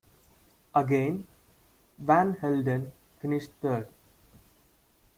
Again, Van Helden finished third.